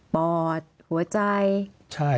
ปอดหัวใจ